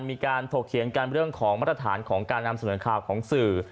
ถกเถียงกันเรื่องของมาตรฐานของการนำเสนอข่าวของสื่อ